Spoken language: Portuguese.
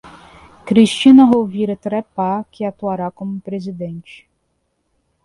Cristina Rovira Trepat, que atuará como presidente.